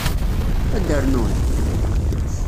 Ad rnun?